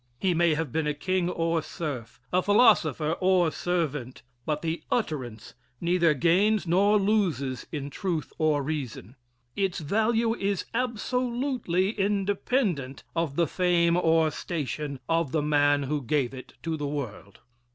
He may have been a king or serf a philosopher or servant, but the utterance neither gains nor loses in truth or reason. Its value is absolutely independent of the fame or station of the man who gave it to the world.